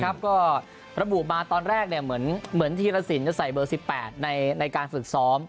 ก็ระบุมาตอนแรกเหมือนธีรสินจะใส่เบอร์๑๘ในการฝึกซ้อม